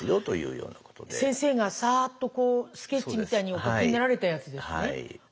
先生がさっとこうスケッチみたいにお描きになられたやつですね。